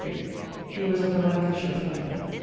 He was of a Lancashire family.